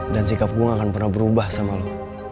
dan sikap gue gak akan pernah berubah sama lo